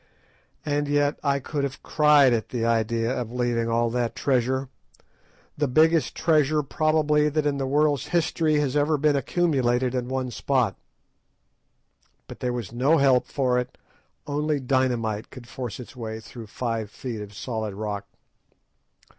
And yet I could have cried at the idea of leaving all that treasure, the biggest treasure probably that in the world's history has ever been accumulated in one spot. But there was no help for it. Only dynamite could force its way through five feet of solid rock.